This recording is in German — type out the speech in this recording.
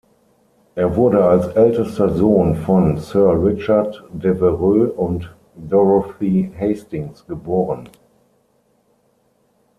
Er wurde als ältester Sohn von Sir Richard Devereux und Dorothy Hastings geboren.